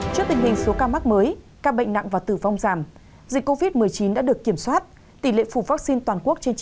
trước tình hình số ca mắc mới ca bệnh nặng và tử vong giảm dịch covid một mươi chín đã được kiểm soát tỷ lệ phủ vaccine toàn quốc trên chín mươi